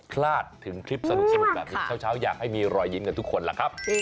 พลาดถึงคลิปสนุกแบบนี้เช้าอยากให้มีรอยยิ้มกันทุกคนล่ะครับ